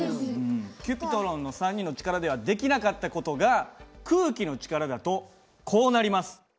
Ｃｕｐｉｔｒｏｎの３人の力ではできなかった事が空気の力だとこうなります。